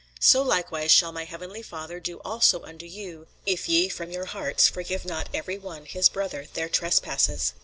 So likewise shall my heavenly Father do also unto you, if ye from your hearts forgive not every one his brother their trespasses.